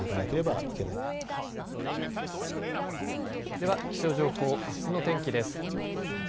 では気象情報あすの天気です。